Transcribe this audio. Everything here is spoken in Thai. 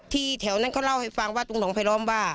แถวนั้นเขาเล่าให้ฟังว่าตรงหนองไผลล้อมว่า